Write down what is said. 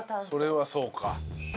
それはそうか